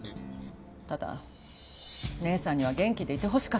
ただ姉さんには元気でいてほしかった。